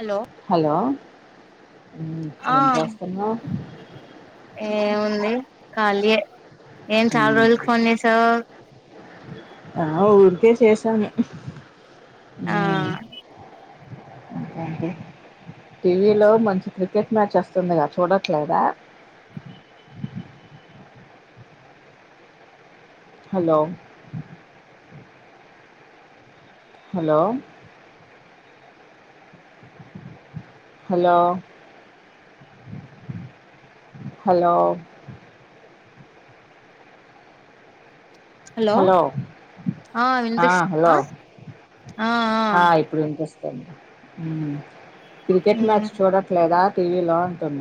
Hello hello హ్మ్ ఆ ఏం చేస్తున్నావ్ ఉంది కాలియే ఏం చాలా మ్ రోజులకి ఫోన్ చేశావు ఆ ఊరికే చేశాను ఆ హుమ్ టీవీలో మంచి క్రికెట్ మ్యాచ్ వస్తుందిగా చూడట్లేదా hello hello hello hello hello ఆ హలో ఆ ఇప్పుడు వినిపిస్తుంది హుమ్ క్రికెట్ మ్మ్ మ్యాచ్ చూడట్లేదా టీవీలా అంటున్న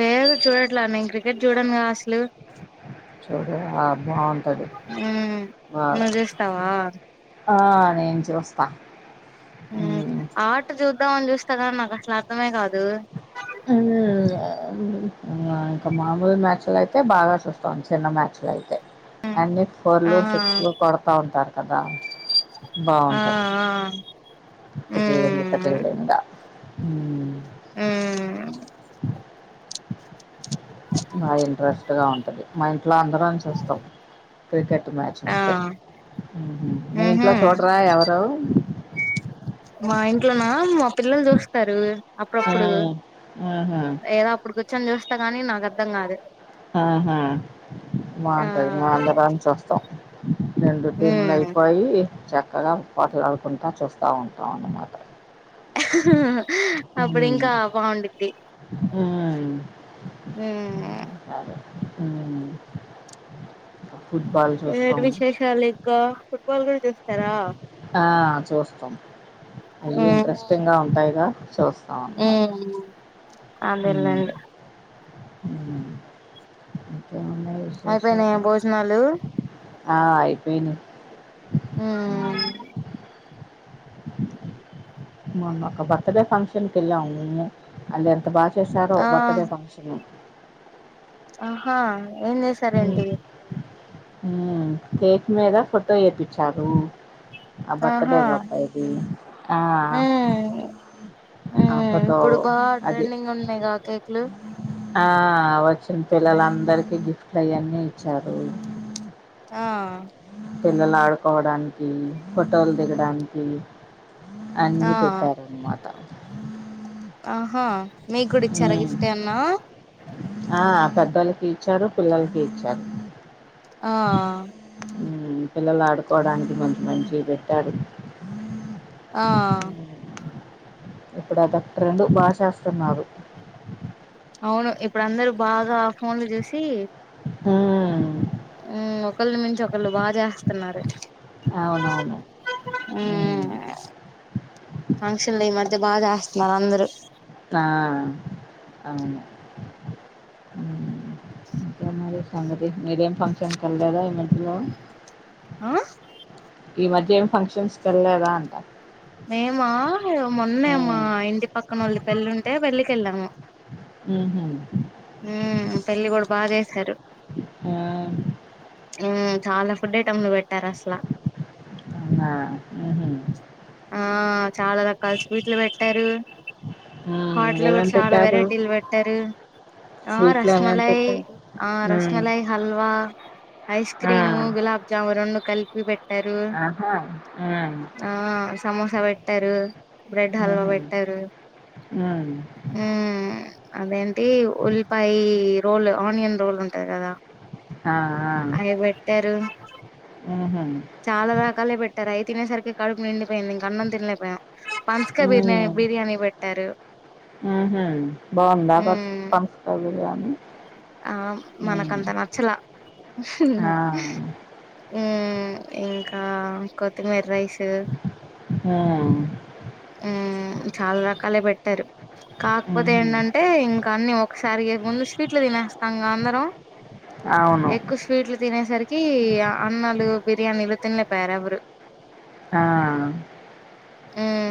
నేను గుడా చూడట్లా నేను క్రికెట్ చూడనుగా అసలు చొరే ఆ బాగుంటది హుమ్ బాగా నువ్వు చూస్తవా ఆ నేను చూస్త హుమ్ ఆట చు అర్ధం అవ్వాలని చూస్త కాని నా కసలు అర్థమే కాదు హుమ్ ఇంగ ఇంకా మామూలు మ్యాచ్లు అయితే బాగా చూస్తాం చిన్న మ్యాచ్ లు అయితే ఆ అన్ని ఆ ఫోర్లు సిక్స్లూ కొడతా ఉంటారు కదా ఆ ఆ [unintelligible] తగిలిందా హుమ్ హుమ్ బాగా ఇంట్రెస్ట్ గా ఉంటది మా ఇంట్లో అందరం చూస్తాం క్రికెట్ మ్యాచ్ ఆ వస్తే మీ మ్మ్ హు ఇంట్లో చూడరా ఎవరు ఇంట్లనా మా పిల్లలు చూస్తరు అప్పుడప్పుడు ఆహా ఏదో అప్పుడు కొంచెం చూస్తా గానీ నాకు అర్థం కాదు ఆహ ఆ బాగుంటది మేం అందరం చూస్తాం రెండు ఉమ్ టీములయిపోయి చక్కగా పోట్లాడుకుంట చూస్తా ఉంటాం అన్నమాట అప్పుడు మ్మ్ ఇంకా బాగుండిద్ది హుమ్ ఊ హూ ఏంటి విశేషాలు ఇంకా ఫుట్బాల్ కూడా చూస్తరా ఆ! చూస్తాం అయ్యి ఇంట్రెస్టింగ్ గా ఉంటాయిగా చూస్త చూస్తా ఉంటాం అదెలెండి ఊ [inaudible] అయిపోయినయా భోజనాలు ఆ అయిపోయినయ్ ఉమ్ మొన్నొక బర్త్డే ఫంక్షన్ కెల్లాము అది ఎంత బాగ చేసారో ఆ బర్త్డే ఫంక్షను ఆహా ఏం చేసార ఏంటి చేతి మీద ఫోటో చేర్పించారు ఆ బర్త్డే బాబా ఏది ఆ ఇప్పుడు బా అది. ట్రెండింగ్ ఉన్నాయిగా కేక్లు ఆ వచ్చిన పిల్లల అందరికిీ గిఫ్ట్ అయ్యాన్ని ఇచ్చారు ఆ పిల్లలు ఆడుకోవడానికి ఫోటోలు దిగడానికి ఆ అన్ని పెట్టారున్నమాట ఆహా మీకు కూడా ఇచ్చారా గిఫ్టే అన్నా ఆ పెద్దలకి ఇచ్చారు పిల్లలకి ఇచ్చారు ఆ పిల్లలు ఆడుకోవడానికి కొంచంతం మంచి పెట్టారు ఆ ఇప్పుడు అదొట రెండు బా చేస్తున్నారు అవును ఇప్పుడు అందరుూ బాగా ఫోన్లు చూసి ఆ ఒకళ మించి ఒకళ్ళు బాగా చేస్తున్నారు అవునవును ఉమ్, ఫంక్షన్లు ఈ మధతే బాగా చేస్త మన అందరు ఆ అవును ఇంకేం మరి సంగతి మీరేం ఫంక్షన్ క వెలలేేదా ఇమెట్లో ఆ ఈ మధ్య ఏం ఫంక్షన్స్ కెళ్ళదా అంట మేము మొన్నే మా హ్మ్ ఇంటి పక్కనోళ్ళ పెళ్ళి ఉంటే వెళ్లికి వెళ్ళాము ఊహూ హ పెళ్ళి కూడా బాగా చేసారు ఆ చాలా ఫుడ్ ఐటమ్లు పెట్ అవునా ఆహా ఆ చాలా రకా ఒక స్వీట్లు పెట్టారు హ్మ్ హాట్లు కూడా ఏమేం చాలా పెట్టారు? వెరైటీలు పెట్టారు ఆ స్వీట్లు ఏమేం రస్మలై పెట్టారు? ఆ హ్మ్ రస్మలాయి హల్వా ఐస్ ఆ క్రీము గులాబ్జాము రెండు కలిపి క్యూబెడ్ ఆహా ఆ ఆ సమోసా పెట్టారు బ్రెడ్ హల్వా ఊహూ పెట్టారు హ్మ్ అదేంటి ఉల్లిపాయ రోల్ ఆనియన్ రోల్ ఉంటది కదా ఆ! ఆ! అవి పెట్టారు ఊహూ హ్మ్ చాలా రకాలే పెట్టారు అయి తినేసరికి కడుపు నిండు పోయింది ఇంక అన్నం తినలేపోయా పంచక బిర్యా బిర్యానీ పెట్టారు ఊహూ బావుందా పస్ పనసకాయ బిర్యానీ? ఆ హ్మ్ మనకంత నచ్చలా ఆ! ఇంకా అ కొత్తిమీరైస్ తో హ్మ్ చాలా రకాల పెట్ట పెట్టారు కాకపోతే ఊహూ ఏందంటే ఇంకా అన్నీ ఒకసారిగా గన్స్ స్వీట్లు తినేస్తా అందరం అవును. ఎక్కువ స్వీట్లు తినేసరికి అన్నలు బిర్యానీలు తినలేకపోయారు ఎవరు ఆ!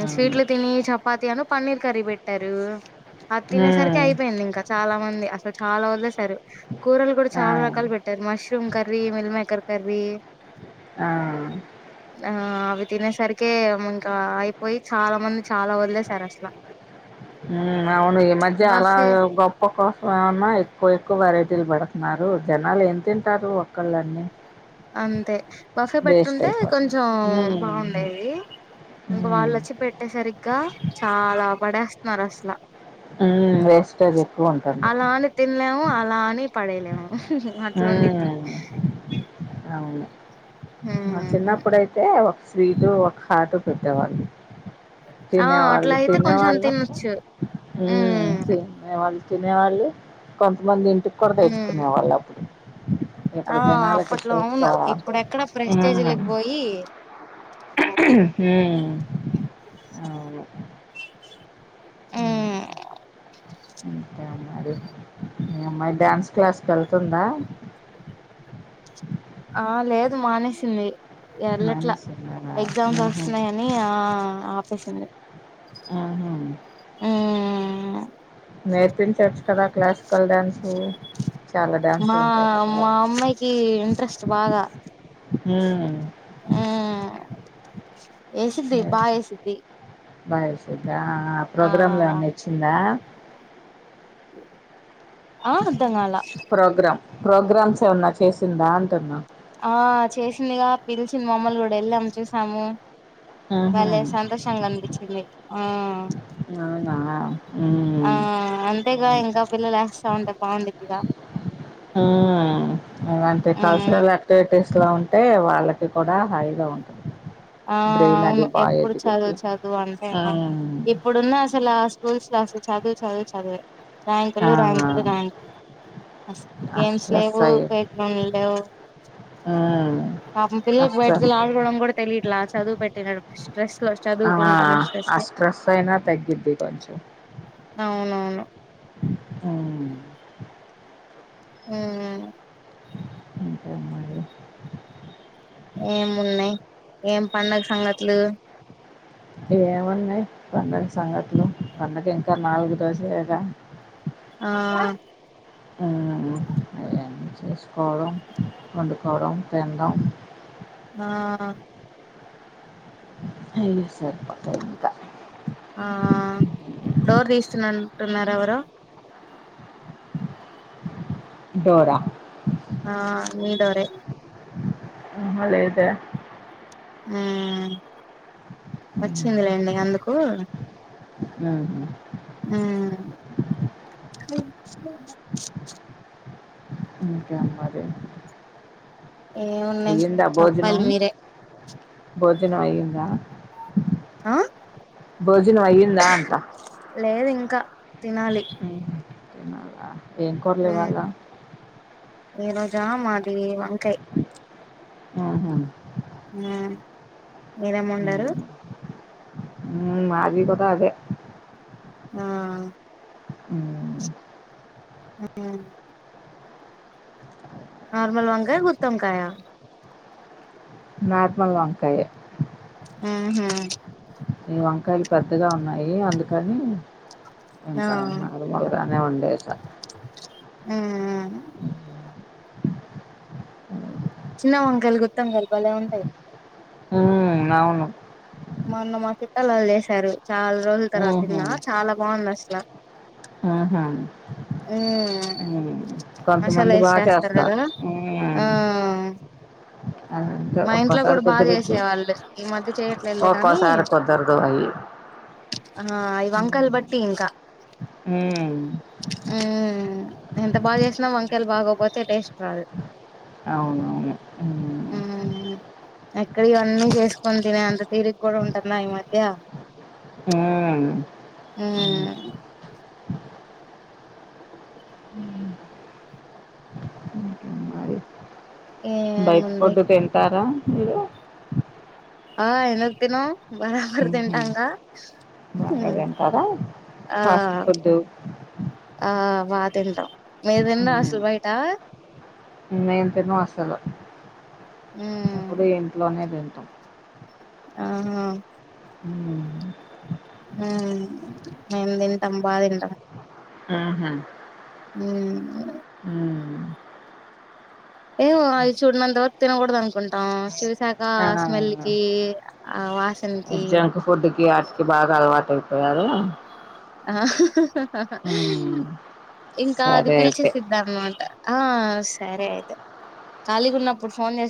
అవును. స్వీట్లు తినీ చపాతీ అను పన్నీర్ కర్రీ పెట్టారు అది తినేసరికి హ్మ్ అయిపోయింది ఇంకా చాలా మంది అస చాలా వదిలేసి కూరలు కూడా ఆ! చాలా రకాలు పెట్టారు mushroom curry meal maker curry ఆ! అవి తినేసరికె ఇంకా అయిపోయి చాలా మంది చాలా వదిలేసారు అసలు ఉ అవును ఈ మధ్య అలా గొప్ప కోసం ఏమన్నా కోక్కు వరైటిల్ మేడం న్నారు జనాలు ఏం తింటారు ఒళ్ళన్నీ అంతే బఫే పెట్టుంటే అయిపోతుంది. కొంచెం హ్మ్. బాగుండేది ఇంకా హ్మ్. వాళ్ళుొచ్చి పెట్టే సరిగ్గా చాలా పడే నరస్లా ఉ వేస్టేజ్ ఎక్కువ ఉంటాంది అలా అని తినలేము అలా అని పడేయలేము హు హు అట్లా ఉండిద్ది రావులు మా చిన్నప్పుడైతే ఒక స్వీటు ఒక హాటు పెట్టేవాళ్ళు ఆ తినే అట్లా వాళ్ళు అయితే తినే కొంచెం వాళ్ళ తినొచ్చు ఉమ్ తినే వాళ్ళు తినేవాళ్ళు కొంతమంది తక్కర్ ఉమ్ తెచ్చుకునే వాళ్ళుప్పుడు ఆ అప్పట్లో అవును షుగర్ ఇప్పుడెక్కడ ప్రెస్టేజీలకు పోయి ఉమ్ ఉమ్ అవును ఉమ్ [inaudible] ఇంకెం మరి అమ్మాది అమ్మాయి డ్యాన్స్ క్లాస్కి వెళ్తుందా ఆ లేదు మానేసింది ఎల్లట్లా మైనస్ ఉన్నారా ఎగ్జామ్స్ ఉహు వస్తున్నాయని ఆ ఆపేసింది ఉహుమ్ ఉమ్మ్ నేర్పించవచ్చు కదా క్లాసికల్ డ్యాన్సు చాలా మా డ్యాన్సులు ఉంటాయి కదా మా అమ్మాయికి ఇంట్రెస్ట్ బాగా ఉమ్ హ [inaudible] వేసద్ది బా వేసద్ది భవేసిధా ఆ ప్రోగ్రామ్ లో ఏ నచ్చిందా ఆ అద్దంగాలా ప్రోగ్రామ్ ప్రోగ్రామ్స్ ఏమన్నా చేసిందా అంటున్నా ఆ చేసిందిగా పిలిచింది మమ్మల్ని కూడా వెళ్ళాము చూసాము ఉహు వాళ్ళ సంతోషంగా అనిపించింది ఆ అవునా ఆ ఉమ్ అంతేగా ఇంకా పిల్లలు వేస్తా ఉంటే బాగుండే ఇద ఉమ్ ఏమంటే మ్మ్ కల్చరల్ యాక్టివిటీస్ ట్లా ఉంటే వాళ్ళకి కూడా హాయిగా ఉంటుంది ఆ అవును ఎప్పుడు చదువు చదువు అంటే అవును ఇప్పుడున్న అసలు లాస్ రూల్స్ లాస్ చదువు చదువు చదువే ఆ ర్యాంకులు ర్యాంకులు ర్యాంకులు ఆ గేమ్స్ స్ట్రెస్ లేవు అయ్యి పేట్ [unintelligible] లేవు పాపం ఆ పిల్లలు బయట కెళ్ళి స్ట్రెస్ ఆడుకోవడం కూడా ఇట్లా చదువు పెట్టినరు కిష్ ఆ ఆ స్ట్రెస్ అయినా తగ్గిద్ది కొంచెం అవునవును అవును ఉమ్మ్ ఇంకా మరి ఏమున్నయి ఏం పండగ సంగతులు ఏమున్నాయి పండగ సంగతులు పండగ ఇంకా నాలుగు రోజులేగా ఆ అవునండి అవన్నీ చేసుకోవడం వండుకోవడం తినడం ఆ అయ్యి సరిపోతాయి ఇంక ఆ డోర్ తీస్తున్నన్ టున్నారు ఎవరో డోరా ఆ మీ డోరే మ్ హా లేదే మ్మ్ వచ్చిందిలేండి ఇగ అందుకు ఊహూ మ్మ్ ఇంకా మరి ఏమున్నాయి అయ్యిందా చెప్పాలి భోజనం మీరే భోజనం అయ్యిందా ఆ భోజనం అయ్యిందా అంటా లేదు ఇంకా తినాలి తినాలా ఏం కురలు ఇవాళ జా మాది వంకాయ ఆహా మ్భ్ హ ఉమ్మ్ మాది కూడా అదే ఆ ఉమ్ ఆ నార్మల్ వంకాయ గుత్తొంకాయ నార్మల్ వంకాయే ఉహూ ఈ వంకాయలు పెద్దగా ఉన్నాయి అందుకని ఆ ఇంకా నార్మల్గానే వండేస మ్మ్ చిన్న వంకాయలు గుత్తొంకాయలు బలే ఉంటాయి ఉ అవును మొన్న మా చుట్టాల వాళ్ళు చేశారు చాలా రోజుల తర్వాత తిన్నా చాలా బాగుంది అసలా ఆహా మ్మ్ మసాలా కొంతమంది ఏసి బాగా కదా చేస్తారు ఊ ఆ మా ఇంట్లో కూడా బాగా చేసేవాళ్ళు ఈ మధ్య చేయట్లేదు లే కానీ ఒక్కోసారి కుదరదు అయి ఆ ఇ వంకాయలను బట్టి ఇంకా ఉమ్ ఆ ఎంత బాగా చేసినా వంకాయలు బాగోపోతే టేస్ట్ రాదు అవునవును ఆ ఎక్కడ ఇవన్నీ చేసుకొని తినే అంత తిరిగి కూడా ఉంటున్నా ఈ మధ్య హ్మ్. అవును. హ్మ్మ్ మరి బయట ఏముంది ఫుడ్ తింటారా ఇలో ఆ ఎందుకు తినం బరాబర్ హుహు. తింటాంగా బాగా తింటారా? ఆ ఫాస్ట్ ఫుడ్డు. ఆ వా తింటాం ఏదన్న అసలు బయట నేను తిన్నసలు మ్మ్ ఎప్పుడు ఇంట్లోనేద ఆహా హ్మ్మ్ హ్మ్మ్ మేము తింటాం బా తింటాం ఆహా ఉమ్ హ్మ్మ్ హ్మ్మ్ ఆయన చూడనన్ని రోజ్ తినూడదు అనుకుంటాం ఆ స్మెల్ కి ఆ వాసనకి జంక్ ఫుడ్ క ఆటికి బాగా అలవాటు ఆ హ్మ్. ఇంకా అది సరే అయితే. పిలిచేసిద్దాం అన్నమాట ఆ సరే అయితే ఖాళీగా ఉన్నప్పుడు ఫోన్ చేసి